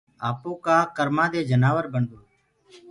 آپو ڪرمآنٚ دي جنآور بڻدوئي